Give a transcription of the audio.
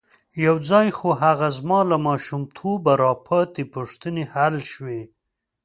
یو ځای خو هغه زما له ماشومتوبه را پاتې پوښتنې حل شوې.